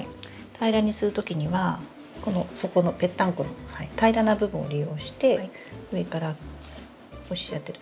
平らにするときにはこの底のぺったんこの平らな部分を利用して上から押し当てる。